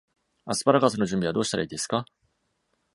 アスパラガスの準備はどうしたらいいですか？